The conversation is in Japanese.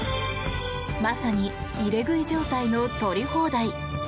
まさに入れ食い状態の取り放題。